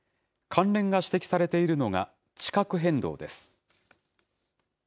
関連が指摘しているのが、地殻変動です。